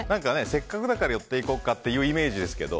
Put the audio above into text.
せっかくだから寄って行こうかっていうイメージですけど。